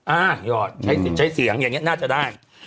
อ่าหยอดใช้เสียงอย่างนี้น่าจะได้